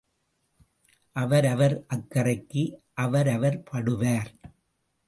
அவர் அவர் அக்கறைக்கு அவர் அவர் படுவார்.